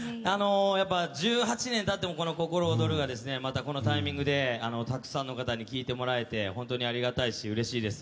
やっぱり１８年経ってもこの「ココロオドル」がまたこのタイミングでたくさんの方に聴いてもらえて本当にありがたいしうれしいです。